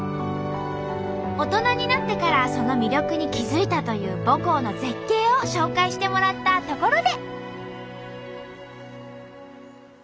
大人になってからその魅力に気付いたという母校の絶景を紹介してもらったところで。